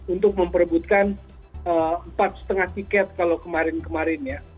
untuk memperebutkan empat lima tiket kalau kemarin kemarin ya